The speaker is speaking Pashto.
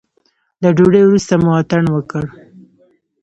له ډوډۍ وروسته مو اتڼ وکړ.